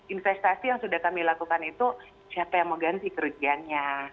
investasi yang sudah kami lakukan itu siapa yang mau ganti kerugiannya